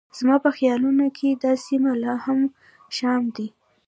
زما په خیالونو کې دا سیمه لا هم شام دی.